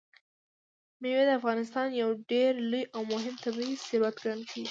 مېوې د افغانستان یو ډېر لوی او مهم طبعي ثروت ګڼل کېږي.